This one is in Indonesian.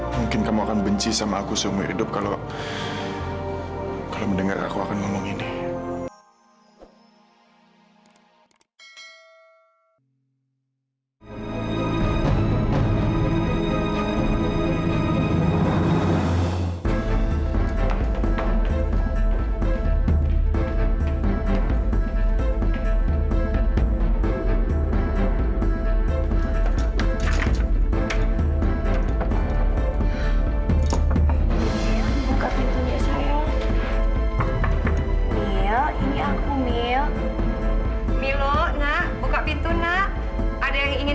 mungkin kamu akan benci sama aku seumur hidup kalau mendengar aku akan ngomong ini